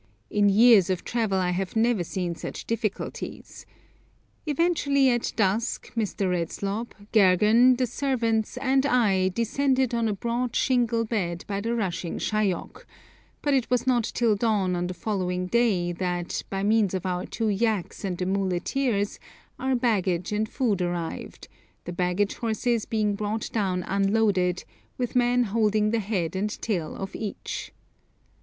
In years of travel I have never seen such difficulties. Eventually at dusk Mr. Redslob, Gergan, the servants, and I descended on a broad shingle bed by the rushing Shayok; but it was not till dawn on the following day that, by means of our two yaks and the muleteers, our baggage and food arrived, the baggage horses being brought down unloaded, with men holding the head and tail of each.